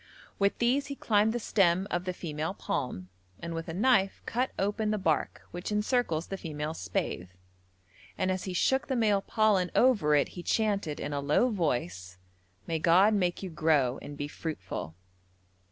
With these he climbed the stem of the female palm, and with a knife cut open the bark which encircles the female spathe, and as he shook the male pollen over it he chanted in a low voice, 'May God make you grow and be fruitful.'